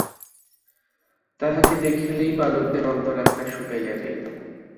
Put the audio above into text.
তাঁহাকে দেখিলেই বালকদের অন্তরাত্মা শুকাইয়া যাইত।